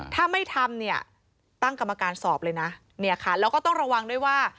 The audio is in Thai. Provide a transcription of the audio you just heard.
ถ้าไม่ทำตั้งกรรมการสอบเลยนะแล้วก็ต้องระวังด้วยว่า